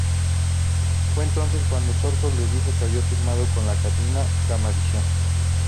Fue entonces cuando Sarcos le dijo que había firmado con la Cadena Gamavisión.